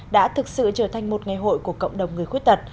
đã thực sự trở thành một ngày hội của cộng đồng người khuyết tật